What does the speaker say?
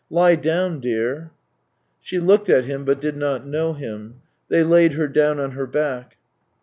" Lie down, dear." She looked at him, but did not know him. ... They laid her down on her back.